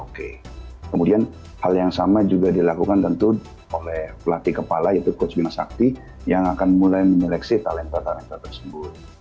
oke kemudian hal yang sama juga dilakukan tentu oleh pelatih kepala yaitu coach bima sakti yang akan mulai menyeleksi talenta talenta tersebut